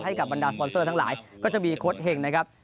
บรรดาสปอนเซอร์ทั้งหลายก็จะมีโค้ดเห็งนะครับ